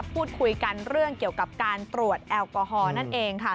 พูดคุยกันเรื่องเกี่ยวกับการตรวจแอลกอฮอลนั่นเอง